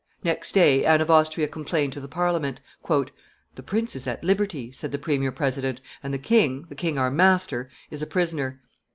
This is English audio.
Next day, Anne of Austria complained to the Parliament. "The prince is at liberty," said the premier president, "and the king, the king our master, is a prisoner."